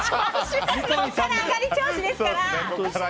ここから上がり調子ですから！